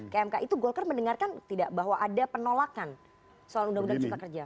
kmk itu golkar mendengarkan tidak bahwa ada penolakan soal undang undang cipta kerja